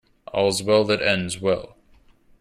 All's well that ends well.